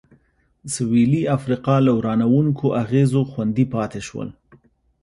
سوېلي افریقا له ورانوونکو اغېزو خوندي پاتې شول.